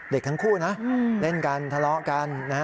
เด็กทั้งคู่นะเล่นกันทะเลาะกัน